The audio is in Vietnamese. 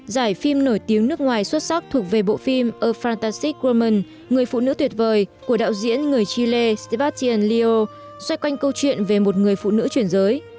giải phim nổi tiếng nước ngoài xuất sắc thuộc về bộ phim a fantastic woman người phụ nữ tuyệt vời của đạo diễn người chile sebastian leo xoay quanh câu chuyện về một người phụ nữ chuyển giới